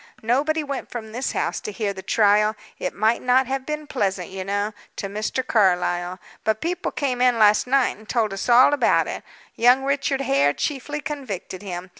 Nobody went from this house to hear the trial it might not have been pleasant, you know, to Mr. Carlyle; but people came in last night and told us all about it. Young Richard Hare chiefly convicted him.